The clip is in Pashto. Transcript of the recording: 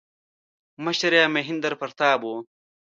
مشر یې مهیندراپراتاپ و.